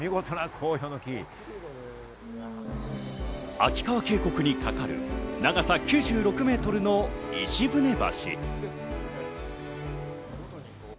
秋川渓谷にかかる、長さ９６ｍの石舟橋。